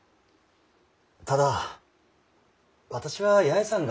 ただ私は八重さんが。